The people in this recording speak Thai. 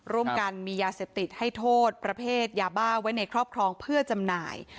ร่วมกันมียาเสพติดให้โทษประเภทยาบ้าไว้ในครอบครองเพื่อจำหน่าย